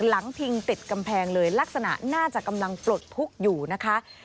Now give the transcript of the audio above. หลังพิงติดแก่กเลยลักษณะหน้าจากกำลังปลดพลุกอยู่นะคะ